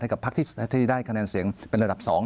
กับพักที่ได้คะแนนเสียงเป็นระดับ๒